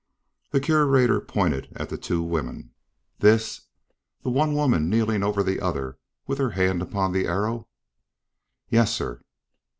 The Curator pointed at the two women. "This? The one woman kneeling over the other with her hand on the arrow?" "Yes, sir."